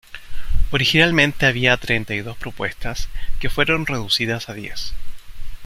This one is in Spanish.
Originalmente había treinta y dos propuestas, que fueron reducidas a diez.